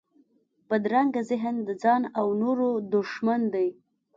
بدرنګه ذهن د ځان او نورو دښمن دی